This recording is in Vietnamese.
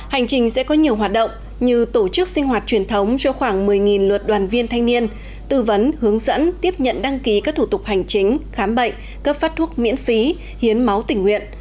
hành trình sẽ có nhiều hoạt động như tổ chức sinh hoạt truyền thống cho khoảng một mươi luật đoàn viên thanh niên tư vấn hướng dẫn tiếp nhận đăng ký các thủ tục hành chính khám bệnh cấp phát thuốc miễn phí hiến máu tình nguyện